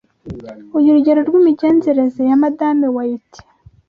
Urugero rw’Imigenzereze ya Madame Wayiti